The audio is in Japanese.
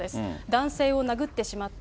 男性を殴ってしまった。